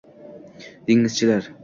dengizchilar